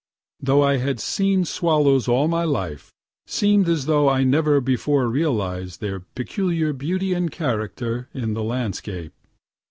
Though I had seen swallows all my life, seem'd as though I never before realized their peculiar beauty and character in the landscape.